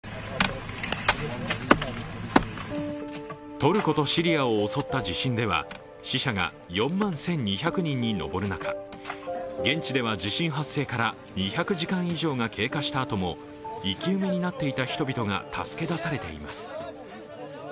トルコとシリアを襲った地震では、死者が４万１２００人に上る中、現地では地震発生から２００時間以上が経過したあとも生き埋めになっていた人々が助け出されています。